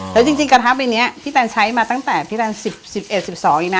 แต่จริงกระทะเป็นนี้พี่ตันใช้มาตั้งแต่พี่ตัน๑๑๑๒อีกนะ